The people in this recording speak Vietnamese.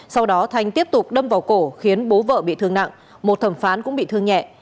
sau đó thanh tiếp tục đâm vào cổ khiến bố vợ bị thương nặng một thẩm phán cũng bị thương nhẹ